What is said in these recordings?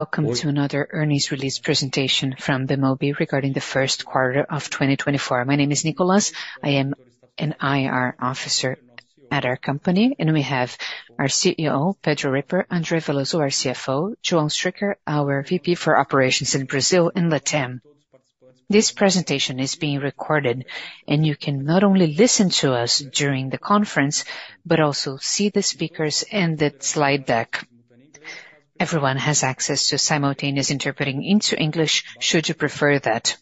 ...Welcome to another earnings release presentation from Bemobi regarding the first quarter of 2024. My name is Nicholas. I am an IR officer at our company, and we have our CEO, Pedro Ripper, André Veloso, our CFO, João Stricker, our VP for operations in Brazil and Latam. This presentation is being recorded, and you can not only listen to us during the conference, but also see the speakers and the slide deck. Everyone has access to simultaneous interpreting into English, should you prefer that.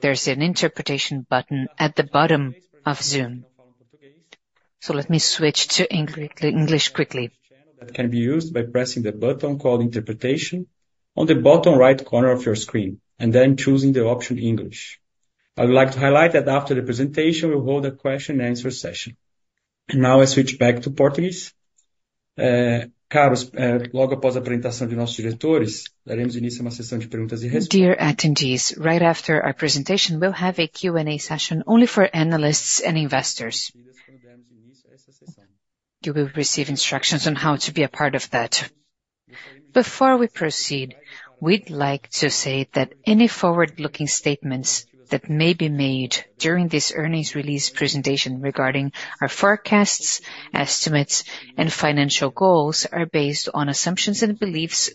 There's an interpretation button at the bottom of Zoom. So let me switch to English quickly. That can be used by pressing the button called Interpretation on the bottom right corner of your screen, and then choosing the option English. I would like to highlight that after the presentation, we'll hold a question and answer session. Now I switch back to Portuguese. Dear attendees, right after our presentation, we'll have a Q&A session only for analysts and investors. You will receive instructions on how to be a part of that. Before we proceed, we'd like to say that any forward-looking statements that may be made during this earnings release presentation regarding our forecasts, estimates, and financial goals are based on assumptions and beliefs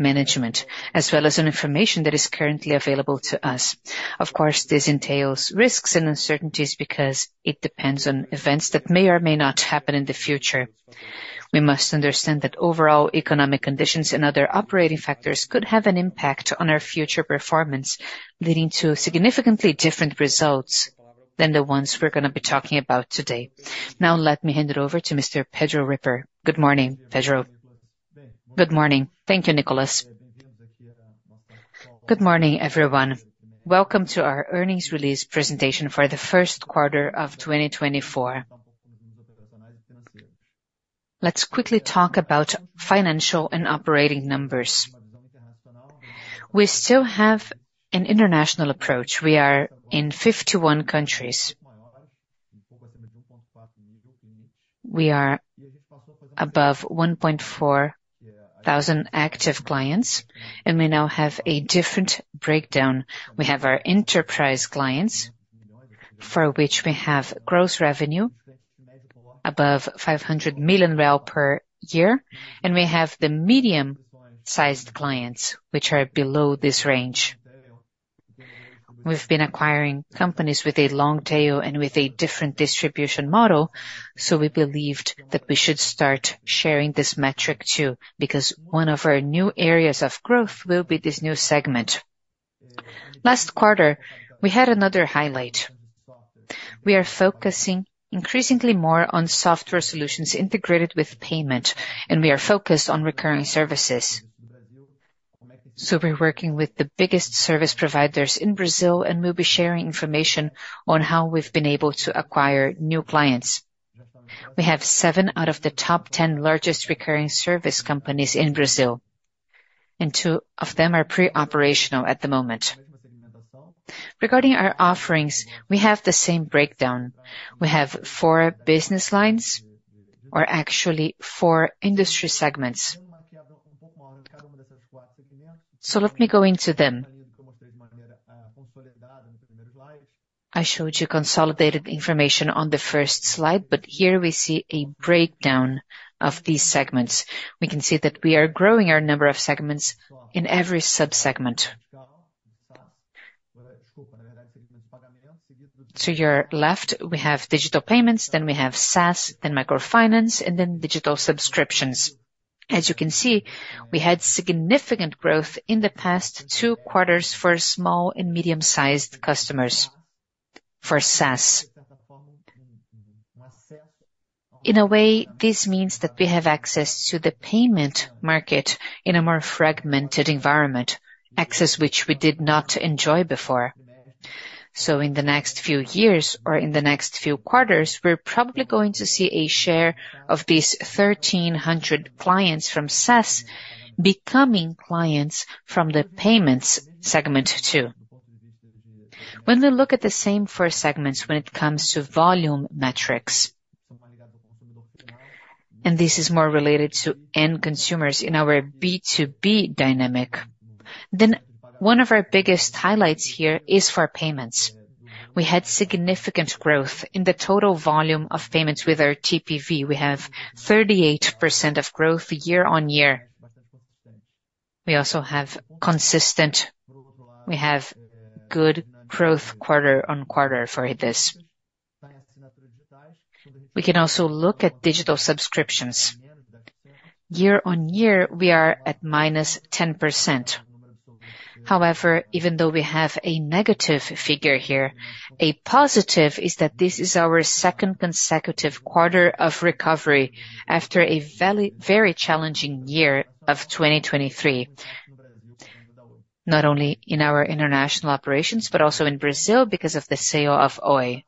by our management, as well as on information that is currently available to us. Of course, this entails risks and uncertainties because it depends on events that may or may not happen in the future. We must understand that overall economic conditions and other operating factors could have an impact on our future performance, leading to significantly different results than the ones we're gonna be talking about today. Now, let me hand it over to Mr. Pedro Ripper. Good morning, Pedro. Good morning. Thank you, Nicholas. Good morning, everyone. Welcome to our earnings release presentation for the first quarter of 2024. Let's quickly talk about financial and operating numbers. We still have an international approach. We are in 51 countries. We are above 1,400 active clients, and we now have a different breakdown. We have our enterprise clients, for which we have gross revenue above 500 million per year, and we have the medium-sized clients, which are below this range. We've been acquiring companies with a long tail and with a different distribution model, so we believed that we should start sharing this metric, too, because one of our new areas of growth will be this new segment. Last quarter, we had another highlight. We are focusing increasingly more on software solutions integrated with payment, and we are focused on recurring services. So we're working with the biggest service providers in Brazil, and we'll be sharing information on how we've been able to acquire new clients. We have 7 out of the top 10 largest recurring service companies in Brazil, and 2 of them are pre-operational at the moment. Regarding our offerings, we have the same breakdown. We have 4 business lines, or actually 4 industry segments. So let me go into them. I showed you consolidated information on the first slide, but here we see a breakdown of these segments. We can see that we are growing our number of segments in every sub-segment. To your left, we have digital payments, then we have SaaS, then microfinance, and then digital subscriptions. As you can see, we had significant growth in the past 2 quarters for small and medium-sized customers for SaaS. In a way, this means that we have access to the payment market in a more fragmented environment, access which we did not enjoy before. So in the next few years or in the next few quarters, we're probably going to see a share of these 1,300 clients from SaaS becoming clients from the payments segment, too. When we look at the same four segments, when it comes to volume metrics, and this is more related to end consumers in our B2B dynamic, then one of our biggest highlights here is for payments. We had significant growth in the total volume of payments with our TPV. We have 38% growth year-on-year. We also have good growth quarter-on-quarter for this. We can also look at digital subscriptions. Year-on-year, we are at -10%. However, even though we have a negative figure here, a positive is that this is our second consecutive quarter of recovery after a very challenging year of 2023, not only in our international operations, but also in Brazil because of the sale of Oi.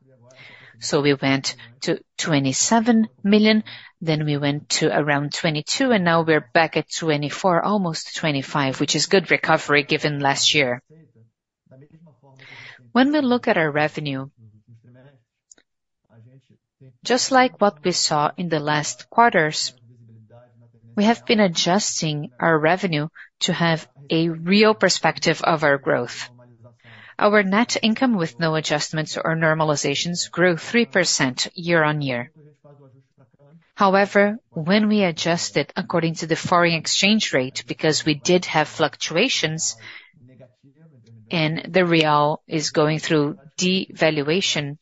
So we went to 27 million, then we went to around 22 million, and now we're back at 24 million, almost 25 million, which is good recovery given last year. When we look at our revenue, just like what we saw in the last quarters, we have been adjusting our revenue to have a real perspective of our growth. Our net income, with no adjustments or normalizations, grew 3% year-on-year. However, when we adjust it according to the foreign exchange rate, because we did have fluctuations, and the real is going through devaluation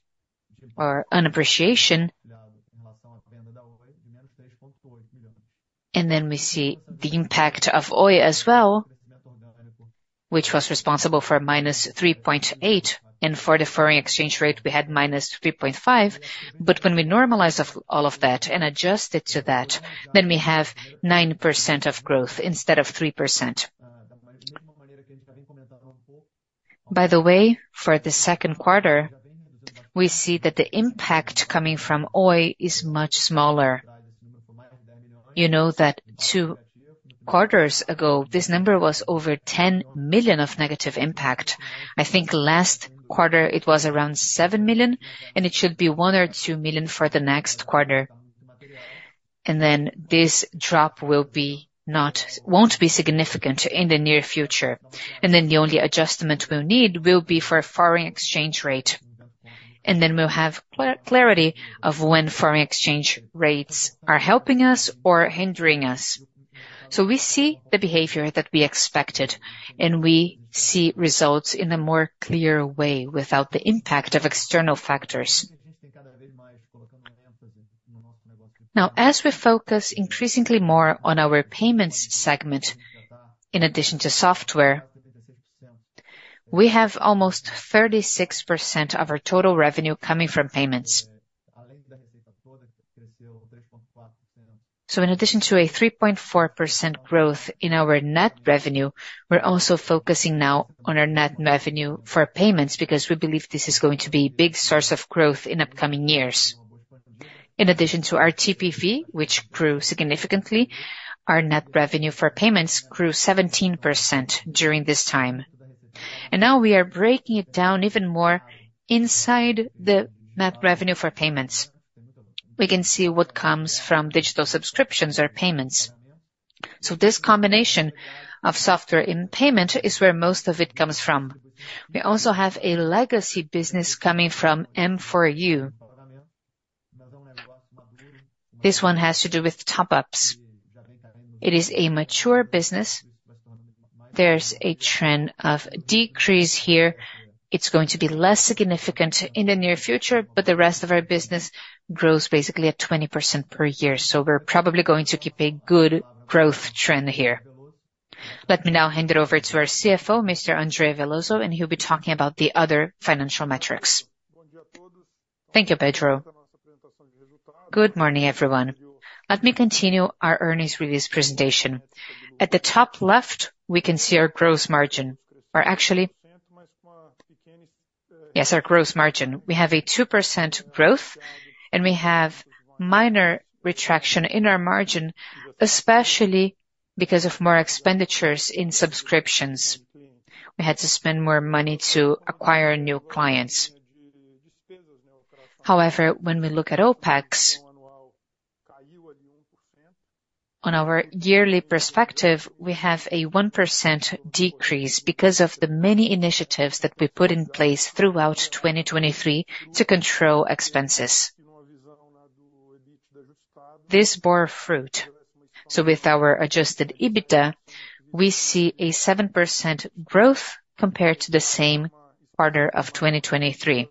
or depreciation. And then we see the impact of Oi as well, which was responsible for -3.8, and for the foreign exchange rate, we had -3.5. But when we normalize for all of that and adjust it to that, then we have 9% of growth instead of 3%. By the way, for the second quarter, we see that the impact coming from Oi is much smaller. You know that two quarters ago, this number was over 10 million of negative impact. I think last quarter it was around 7 million, and it should be 1-2 million for the next quarter. And then this drop won't be significant in the near future. And then the only adjustment we'll need will be for a foreign exchange rate. And then we'll have clarity of when foreign exchange rates are helping us or hindering us. So we see the behavior that we expected, and we see results in a more clear way without the impact of external factors. Now, as we focus increasingly more on our payments segment, in addition to software, we have almost 36% of our total revenue coming from payments. In addition to a 3.4% growth in our net revenue, we're also focusing now on our net revenue for payments, because we believe this is going to be a big source of growth in upcoming years. In addition to our TPV, which grew significantly, our net revenue for payments grew 17% during this time. And now we are breaking it down even more inside the net revenue for payments. We can see what comes from digital subscriptions or payments. So this combination of software and payment is where most of it comes from. We also have a legacy business coming from M4U. This one has to do with top-ups. It is a mature business. There's a trend of decrease here. It's going to be less significant in the near future, but the rest of our business grows basically at 20% per year. So we're probably going to keep a good growth trend here. Let me now hand it over to our CFO, Mr. André Veloso, and he'll be talking about the other financial metrics. Thank you, Pedro. Good morning, everyone. Let me continue our earnings release presentation. At the top left, we can see our gross margin. Or actually... Yes, our gross margin. We have a 2% growth, and we have minor retraction in our margin, especially because of more expenditures in subscriptions. We had to spend more money to acquire new clients. However, when we look at OpEx, on our yearly perspective, we have a 1% decrease because of the many initiatives that we put in place throughout 2023 to control expenses. This bore fruit, so with our adjusted EBITDA, we see a 7% growth compared to the same quarter of 2023.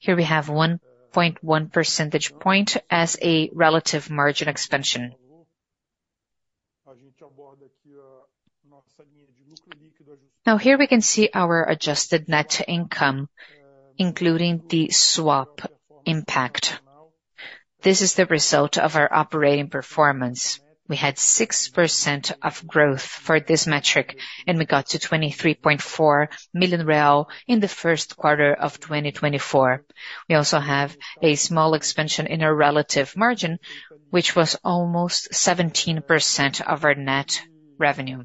Here we have 1.1 percentage point as a relative margin expansion. Now, here we can see our adjusted net income, including the swap impact. This is the result of our operating performance. We had 6% of growth for this metric, and we got to 23.4 million real in the first quarter of 2024. We also have a small expansion in our relative margin, which was almost 17% of our net revenue.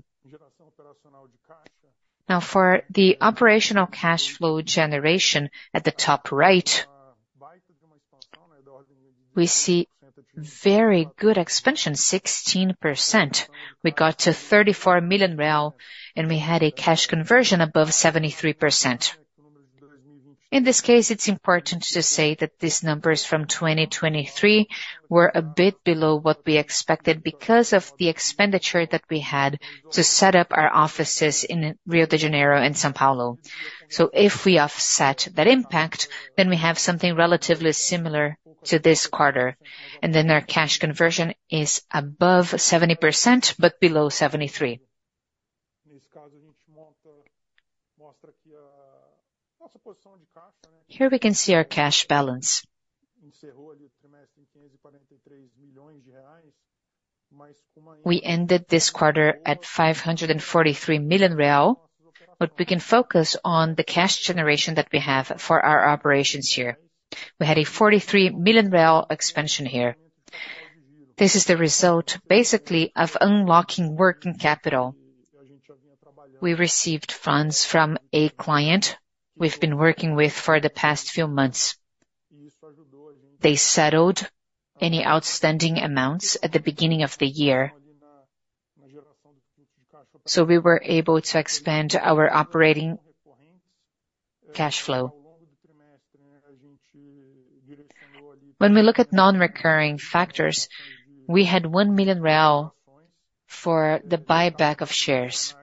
Now, for the operational cash flow generation at the top right, we see very good expansion, 16%. We got to BRL 34 million, and we had a cash conversion above 73%. In this case, it's important to say that these numbers from 2023 were a bit below what we expected because of the expenditure that we had to set up our offices in Rio de Janeiro and São Paulo. So if we offset that impact, then we have something relatively similar to this quarter, and then our cash conversion is above 70%, but below 73%. Here we can see our cash balance. We ended this quarter at 543 million real, but we can focus on the cash generation that we have for our operations here. We had a 43 million expansion here. This is the result, basically, of unlocking working capital. We received funds from a client we've been working with for the past few months. They settled any outstanding amounts at the beginning of the year, so we were able to expand our operating cash flow. When we look at non-recurring factors, we had 1 million real for the buyback of shares.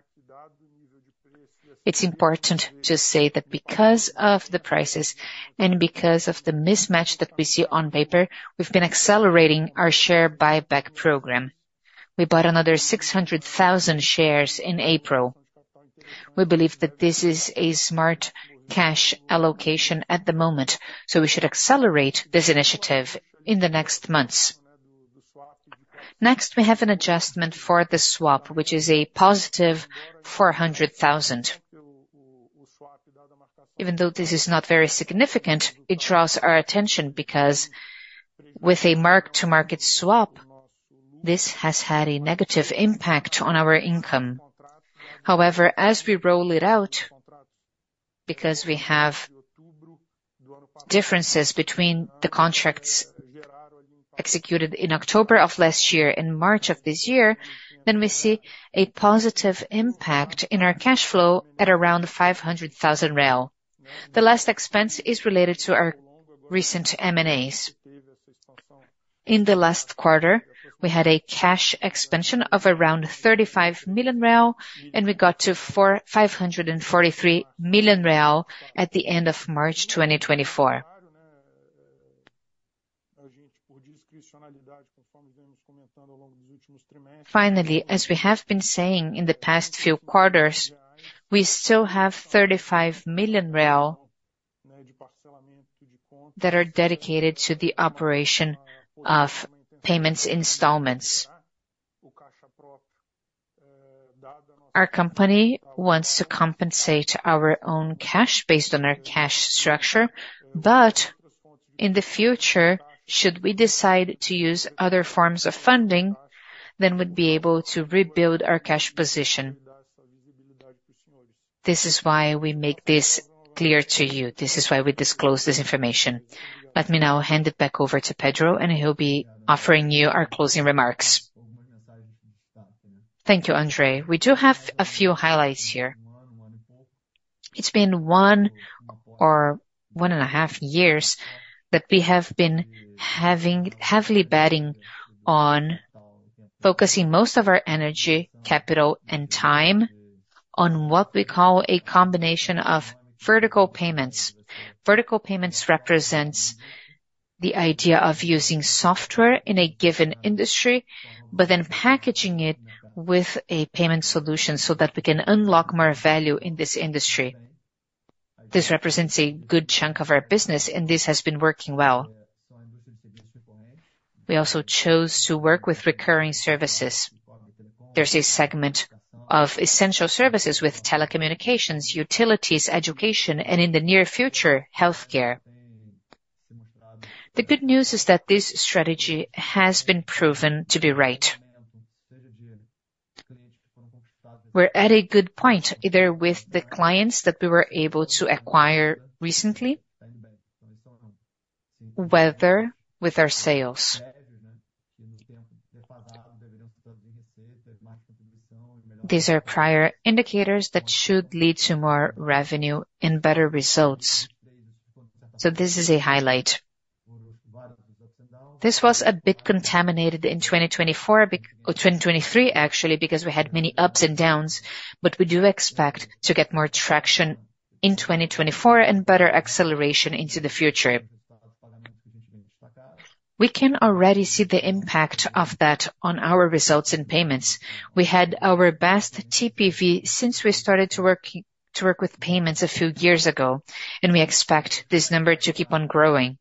It's important to say that because of the prices, and because of the mismatch that we see on paper, we've been accelerating our share buyback program. We bought another 600,000 shares in April. We believe that this is a smart cash allocation at the moment, so we should accelerate this initiative in the next months. Next, we have an adjustment for the swap, which is a positive 400,000. Even though this is not very significant, it draws our attention, because with a mark-to-market swap, this has had a negative impact on our income. However, as we roll it out, because we have differences between the contracts executed in October of last year and March of this year, then we see a positive impact in our cash flow at around 500,000. The last expense is related to our recent M&As. In the last quarter, we had a cash expansion of around 35 million, and we got to 543 million at the end of March 2024. Finally, as we have been saying in the past few quarters, we still have 35 million real that are dedicated to the operation of payments installments. Our company wants to compensate our own cash based on our cash structure, but in the future, should we decide to use other forms of funding, then we'd be able to rebuild our cash position. This is why we make this clear to you. This is why we disclose this information. Let me now hand it back over to Pedro, and he'll be offering you our closing remarks. Thank you, André. We do have a few highlights here. It's been 1 or 1.5 years that we have been heavily betting on focusing most of our energy, capital, and time on what we call a combination of vertical payments. Vertical payments represents the idea of using software in a given industry, but then packaging it with a payment solution so that we can unlock more value in this industry. This represents a good chunk of our business, and this has been working well. We also chose to work with recurring services. There's a segment of essential services with telecommunications, utilities, education, and in the near future, healthcare. The good news is that this strategy has been proven to be right. We're at a good point, either with the clients that we were able to acquire recently, whether with our sales. These are prior indicators that should lead to more revenue and better results. So this is a highlight. This was a bit contaminated in 2024, or 2023, actually, because we had many ups and downs, but we do expect to get more traction in 2024, and better acceleration into the future. We can already see the impact of that on our results and payments. We had our best TPV since we started to work with payments a few years ago, and we expect this number to keep on growing.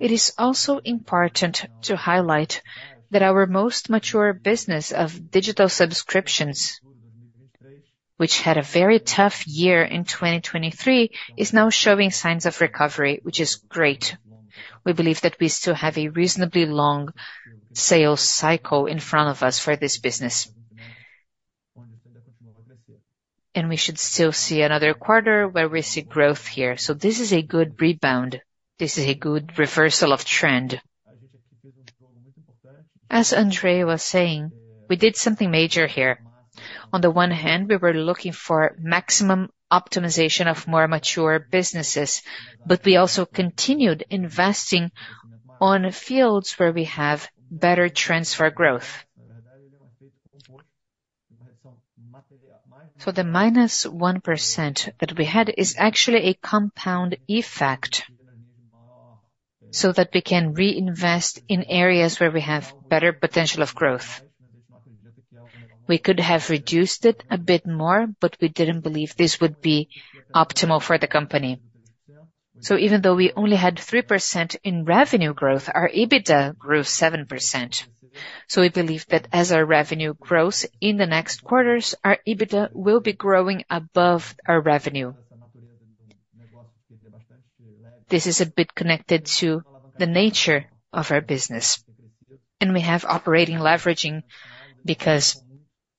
It is also important to highlight that our most mature business of digital subscriptions, which had a very tough year in 2023, is now showing signs of recovery, which is great. We believe that we still have a reasonably long sales cycle in front of us for this business. We should still see another quarter where we see growth here. This is a good rebound. This is a good reversal of trend. As Andre was saying, we did something major here. On the one hand, we were looking for maximum optimization of more mature businesses, but we also continued investing on fields where we have better trends for growth. The minus 1% that we had is actually a compound effect, so that we can reinvest in areas where we have better potential of growth. We could have reduced it a bit more, but we didn't believe this would be optimal for the company. Even though we only had 3% in revenue growth, our EBITDA grew 7%. So we believe that as our revenue grows in the next quarters, our EBITDA will be growing above our revenue. This is a bit connected to the nature of our business. We have operating leveraging, because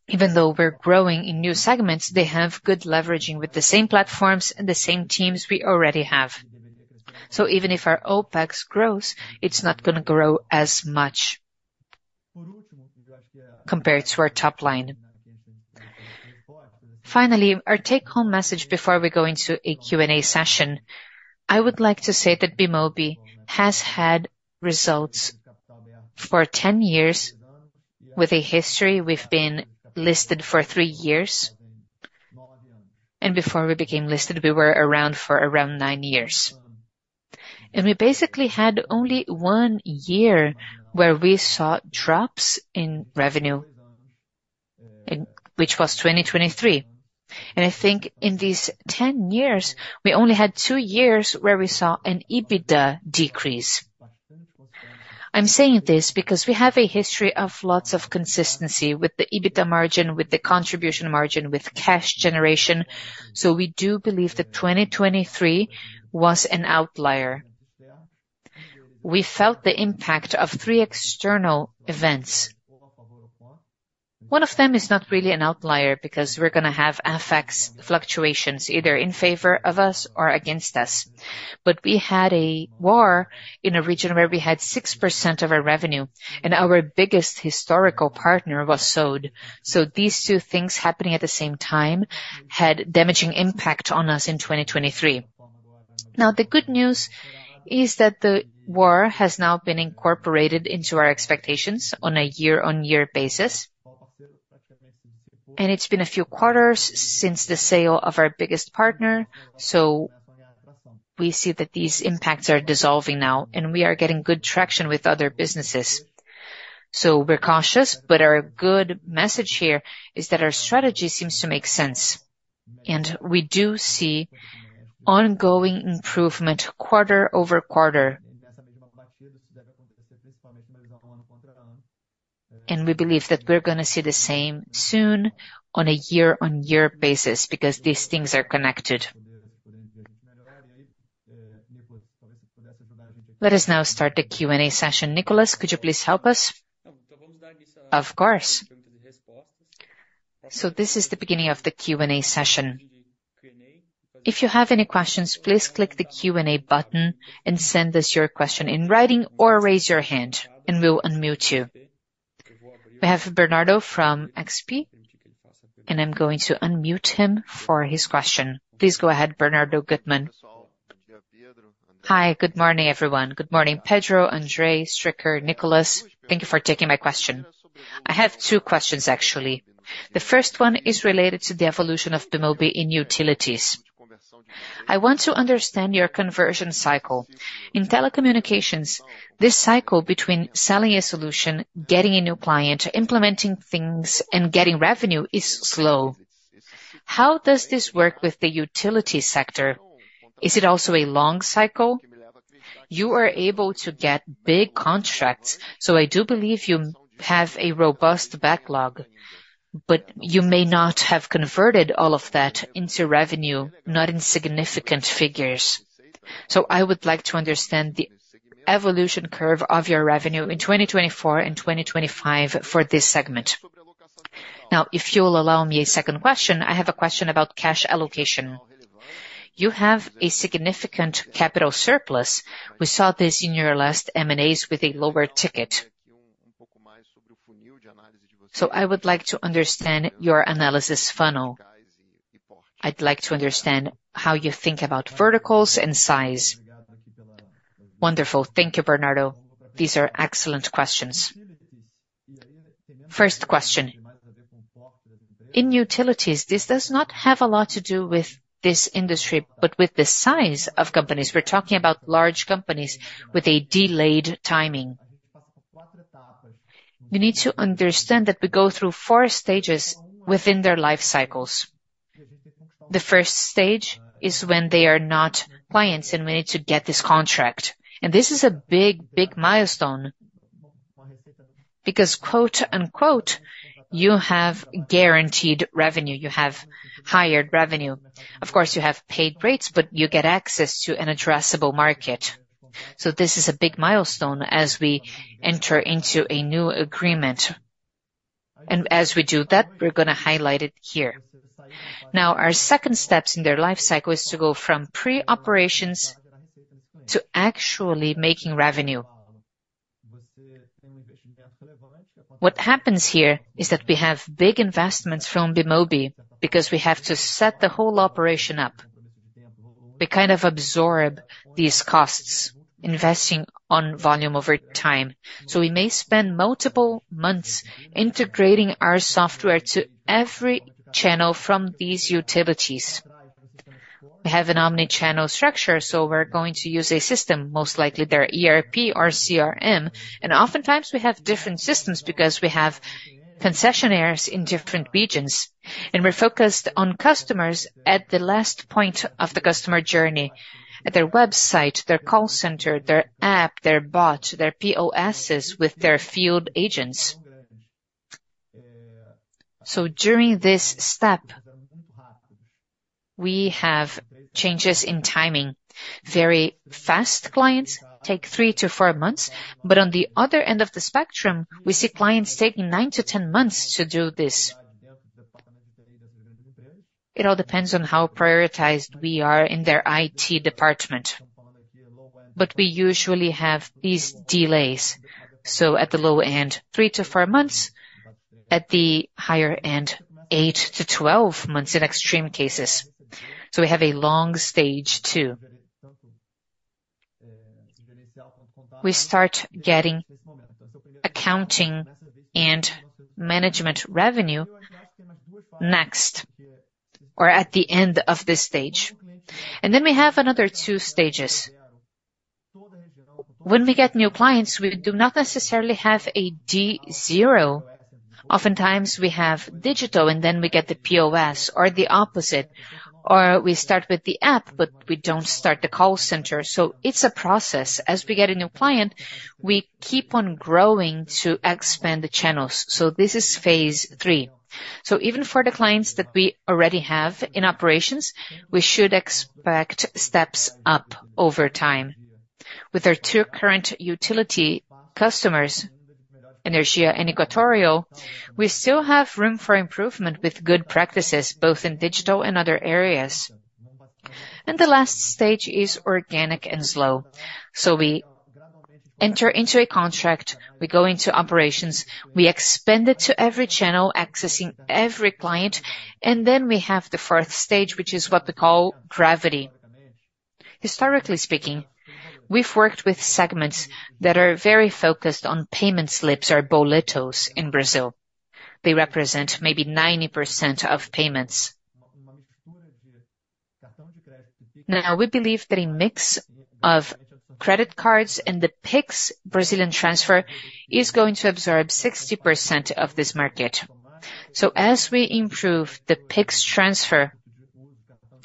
even though we're growing in new segments, they have good leveraging with the same platforms and the same teams we already have. So even if our OpEx grows, it's not gonna grow as much compared to our top line. Finally, our take-home message before we go into a Q&A session, I would like to say that Bemobi has had results for 10 years. With a history, we've been listed for three years, and before we became listed, we were around for around nine years. We basically had only one year where we saw drops in revenue, in—which was 2023. I think in these 10 years, we only had 2 years where we saw an EBITDA decrease. I'm saying this because we have a history of lots of consistency with the EBITDA margin, with the contribution margin, with cash generation. So we do believe that 2023 was an outlier. We felt the impact of 3 external events. One of them is not really an outlier, because we're gonna have effects, fluctuations, either in favor of us or against us. But we had a war in a region where we had 6% of our revenue, and our biggest historical partner was sold. So these two things happening at the same time had damaging impact on us in 2023. Now, the good news is that the war has now been incorporated into our expectations on a year-on-year basis. It's been a few quarters since the sale of our biggest partner, so we see that these impacts are dissolving now, and we are getting good traction with other businesses. So we're cautious, but our good message here is that our strategy seems to make sense, and we do see ongoing improvement quarter-over-quarter. And we believe that we're gonna see the same soon on a year-on-year basis, because these things are connected. Let us now start the Q&A session. Nicholas, could you please help us? Of course. So this is the beginning of the Q&A session. If you have any questions, please click the Q&A button and send us your question in writing or raise your hand, and we'll unmute you. We have Bernardo from XP, and I'm going to unmute him for his question. Please go ahead, Bernardo Guttmann. Hi, good morning, everyone. Good morning, Pedro, André, Stricker, Nicholas. Thank you for taking my question. I have two questions, actually. The first one is related to the evolution of Bemobi in utilities. I want to understand your conversion cycle. In telecommunications, this cycle between selling a solution, getting a new client, implementing things, and getting revenue is slow. How does this work with the utility sector? Is it also a long cycle? You are able to get big contracts, so I do believe you have a robust backlog, but you may not have converted all of that into revenue, not in significant figures. So I would like to understand the evolution curve of your revenue in 2024 and 2025 for this segment. Now, if you'll allow me a second question, I have a question about cash allocation. You have a significant capital surplus. We saw this in your last M&As with a lower ticket. So I would like to understand your analysis funnel. I'd like to understand how you think about verticals and size. Wonderful. Thank you, Bernardo. These are excellent questions. First question: in utilities, this does not have a lot to do with this industry, but with the size of companies. We're talking about large companies with a delayed timing. You need to understand that we go through four stages within their life cycles. The first stage is when they are not clients, and we need to get this contract. And this is a big, big milestone, because, quote, unquote, "You have guaranteed revenue. You have higher revenue." Of course, you have paid rates, but you get access to an addressable market. So this is a big milestone as we enter into a new agreement. And as we do that, we're gonna highlight it here. Now, our second steps in their life cycle is to go from pre-operations to actually making revenue. What happens here is that we have big investments from Bemobi, because we have to set the whole operation up. We kind of absorb these costs, investing on volume over time. So we may spend multiple months integrating our software to every channel from these utilities. We have an omni-channel structure, so we're going to use a system, most likely their ERP or CRM. And oftentimes we have different systems because we have concessionaires in different regions, and we're focused on customers at the last point of the customer journey, at their website, their call center, their app, their bot, their POSs with their field agents.... So during this step, we have changes in timing. Very fast clients take 3-4 months, but on the other end of the spectrum, we see clients taking 9-10 months to do this. It all depends on how prioritized we are in their IT department. But we usually have these delays. So at the low end, 3-4 months, at the higher end, 8-12 months in extreme cases. So we have a long stage 2. We start getting accounting and management revenue next, or at the end of this stage. And then we have another 2 stages. When we get new clients, we do not necessarily have a D0. Oftentimes, we have digital, and then we get the POS, or the opposite, or we start with the app, but we don't start the call center. So it's a process. As we get a new client, we keep on growing to expand the channels. So this is phase three. So even for the clients that we already have in operations, we should expect steps up over time. With our two current utility customers, Energisa and Equatorial, we still have room for improvement with good practices, both in digital and other areas. And the last stage is organic and slow. So we enter into a contract, we go into operations, we expand it to every channel, accessing every client, and then we have the fourth stage, which is what we call gravity. Historically speaking, we've worked with segments that are very focused on payment slips or boletos in Brazil. They represent maybe 90% of payments. Now, we believe that a mix of credit cards and the Pix Brazilian transfer is going to absorb 60% of this market. So as we improve the Pix transfer,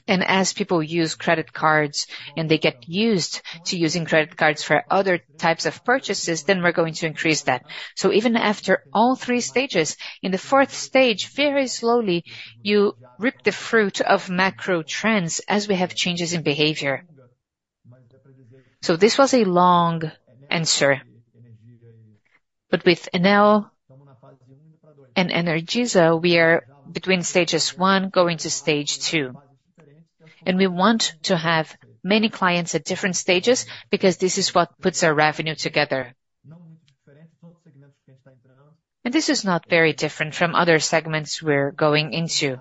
and as people use credit cards, and they get used to using credit cards for other types of purchases, then we're going to increase that. So even after all three stages, in the fourth stage, very slowly, you reap the fruit of macro trends as we have changes in behavior. So this was a long answer, but with Enel and Energisa, we are between stages one, going to stage two. And we want to have many clients at different stages because this is what puts our revenue together. And this is not very different from other segments we're going into,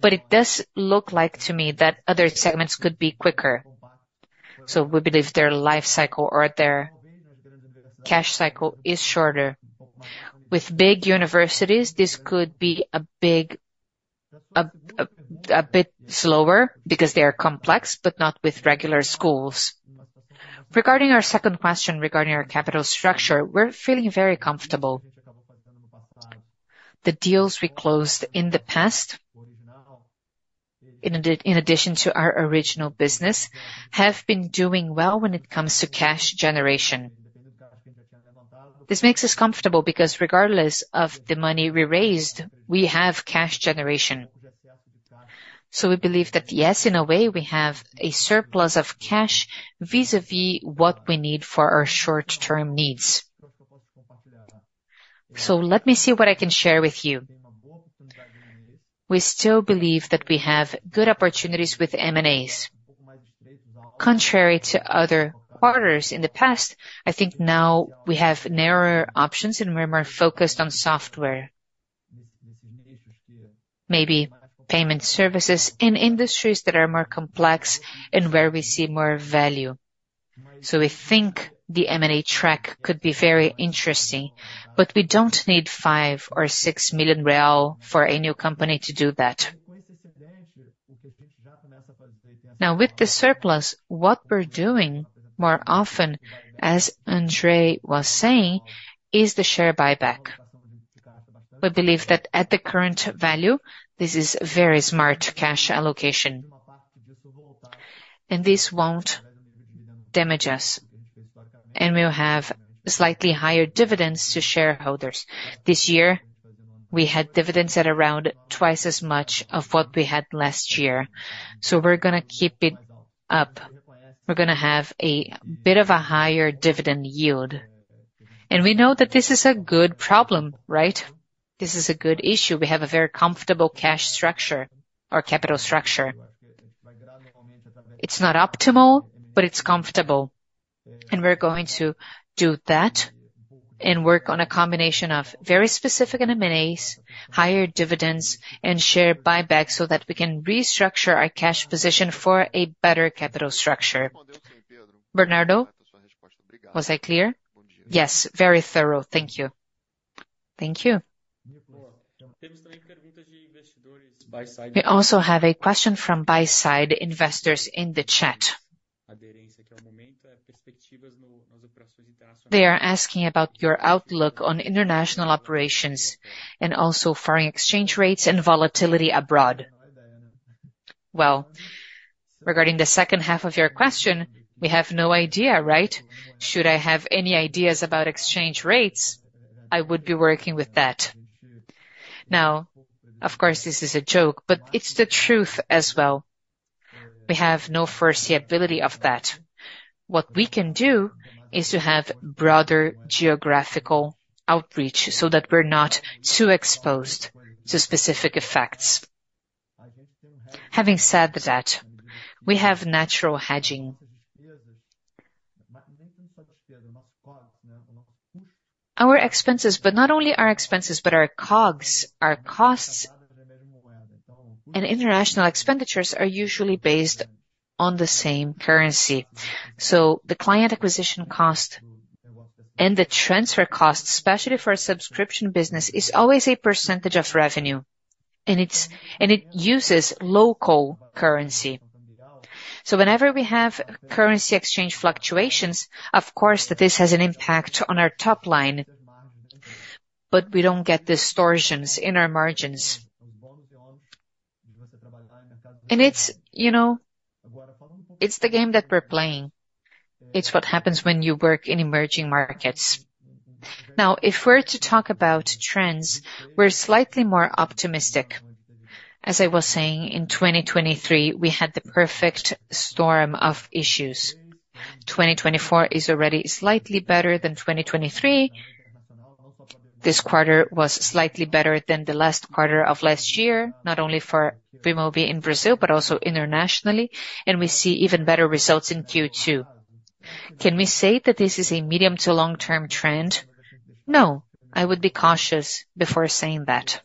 but it does look like to me that other segments could be quicker. So we believe their life cycle or their cash cycle is shorter. With big universities, this could be a bit slower because they are complex, but not with regular schools. Regarding our second question regarding our capital structure, we're feeling very comfortable. The deals we closed in the past, in addition to our original business, have been doing well when it comes to cash generation. This makes us comfortable because regardless of the money we raised, we have cash generation. So we believe that, yes, in a way, we have a surplus of cash vis-à-vis what we need for our short-term needs. So let me see what I can share with you. We still believe that we have good opportunities with M&As. Contrary to other quarters in the past, I think now we have narrower options, and we're more focused on software. Maybe payment services in industries that are more complex and where we see more value. So we think the M&A track could be very interesting, but we don't need 5 million or 6 million real for a new company to do that. Now, with the surplus, what we're doing more often, as André was saying, is the share buyback. We believe that at the current value, this is very smart cash allocation, and this won't damage us, and we'll have slightly higher dividends to shareholders. This year, we had dividends at around twice as much of what we had last year. So we're gonna keep it up. We're gonna have a bit of a higher dividend yield. And we know that this is a good problem, right? This is a good issue. We have a very comfortable cash structure or capital structure. It's not optimal, but it's comfortable. We're going to do that and work on a combination of very specific M&As, higher dividends, and share buybacks so that we can restructure our cash position for a better capital structure. Bernardo, was I clear? Yes, very thorough. Thank you. Thank you. We also have a question from buy-side investors in the chat. They are asking about your outlook on international operations and also foreign exchange rates and volatility abroad. Well, regarding the second half of your question, we have no idea, right? Should I have any ideas about exchange rates, I would be working with that. Now, of course, this is a joke, but it's the truth as well. We have no foreseeability of that. What we can do is to have broader geographical outreach, so that we're not too exposed to specific effects. Having said that, we have natural hedging. Our expenses, but not only our expenses, but our COGS, our costs, and international expenditures are usually based on the same currency. So the client acquisition cost and the transfer cost, especially for a subscription business, is always a percentage of revenue, and it's, and it uses local currency. So whenever we have currency exchange fluctuations, of course, that this has an impact on our top line, but we don't get distortions in our margins. And it's, you know, it's the game that we're playing. It's what happens when you work in emerging markets. Now, if we're to talk about trends, we're slightly more optimistic. As I was saying, in 2023, we had the perfect storm of issues. 2024 is already slightly better than 2023. This quarter was slightly better than the last quarter of last year, not only for Bemobi in Brazil, but also internationally, and we see even better results in Q2. Can we say that this is a medium to long-term trend? No, I would be cautious before saying that.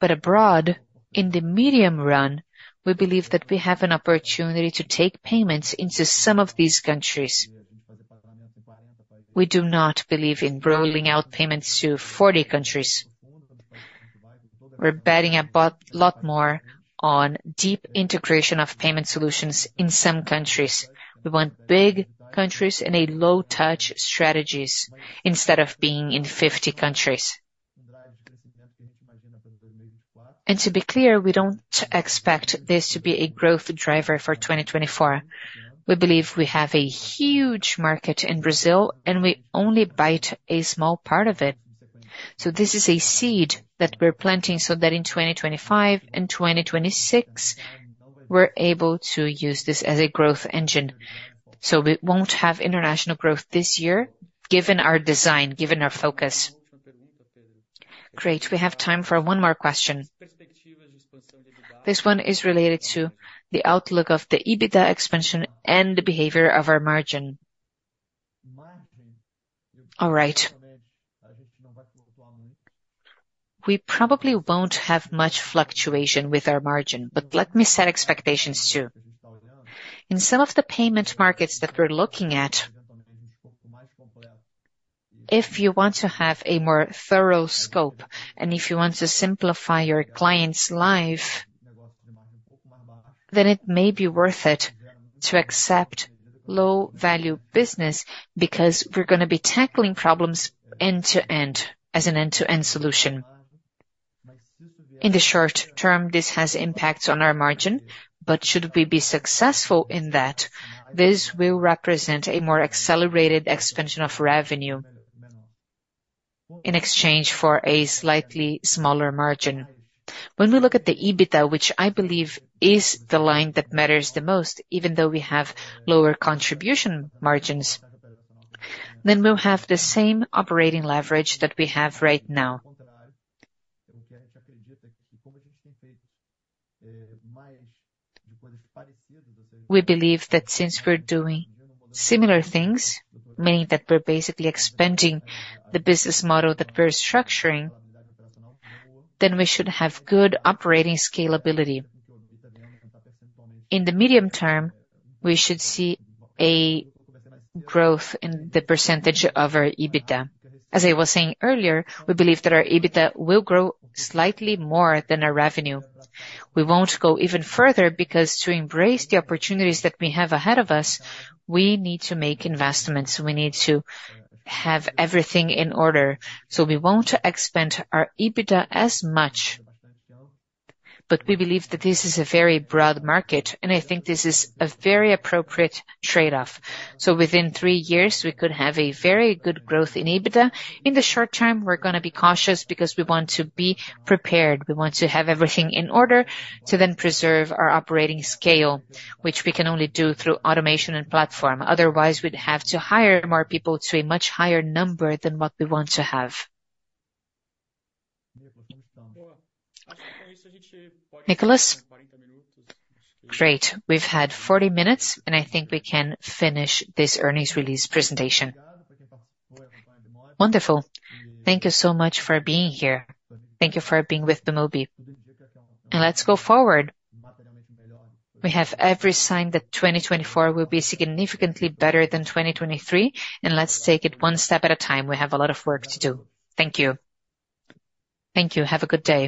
But abroad, in the medium run, we believe that we have an opportunity to take payments into some of these countries. We do not believe in rolling out payments to 40 countries. We're betting a lot more on deep integration of payment solutions in some countries. We want big countries and a low-touch strategies instead of being in 50 countries. And to be clear, we don't expect this to be a growth driver for 2024. We believe we have a huge market in Brazil, and we only bite a small part of it. So this is a seed that we're planting so that in 2025 and 2026, we're able to use this as a growth engine. So we won't have international growth this year, given our design, given our focus. Great, we have time for one more question. This one is related to the outlook of the EBITDA expansion and the behavior of our margin. All right. We probably won't have much fluctuation with our margin, but let me set expectations, too. In some of the payment markets that we're looking at, if you want to have a more thorough scope, and if you want to simplify your client's life, then it may be worth it to accept low-value business, because we're gonna be tackling problems end-to-end, as an end-to-end solution. In the short term, this has impacts on our margin, but should we be successful in that, this will represent a more accelerated expansion of revenue in exchange for a slightly smaller margin. When we look at the EBITDA, which I believe is the line that matters the most, even though we have lower contribution margins, then we'll have the same operating leverage that we have right now. We believe that since we're doing similar things, meaning that we're basically expanding the business model that we're structuring, then we should have good operating scalability. In the medium term, we should see a growth in the percentage of our EBITDA. As I was saying earlier, we believe that our EBITDA will grow slightly more than our revenue. We won't go even further because to embrace the opportunities that we have ahead of us, we need to make investments. We need to have everything in order. So we won't expand our EBITDA as much, but we believe that this is a very broad market, and I think this is a very appropriate trade-off. So within three years, we could have a very good growth in EBITDA. In the short term, we're gonna be cautious because we want to be prepared. We want to have everything in order to then preserve our operating scale, which we can only do through automation and platform. Otherwise, we'd have to hire more people to a much higher number than what we want to have. Nicholas? Great. We've had 40 minutes, and I think we can finish this earnings release presentation. Wonderful. Thank you so much for being here. Thank you for being with Bemobi, and let's go forward. We have every sign that 2024 will be significantly better than 2023, and let's take it one step at a time. We have a lot of work to do. Thank you. Thank you. Have a good day.